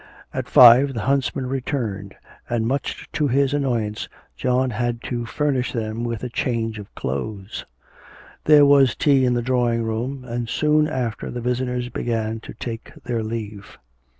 At five the huntsmen returned, and much to his annoyance, John had to furnish them with a change of clothes. There was tea in the drawing room, and soon after the visitors began to take their leave.